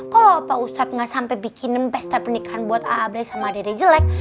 kalau opa ustad gak sampai bikin pesta pernikahan buat abrai sama dede jelek